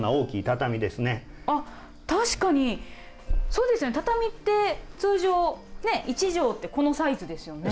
そうですね、畳って通常１畳って、このサイズですよね。